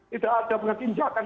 tidak ada penginjatan